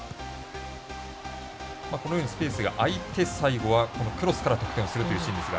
このようにスペースが空いてクロスから得点するというシーン。